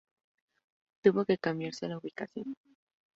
Tuvo que cambiarse la ubicación.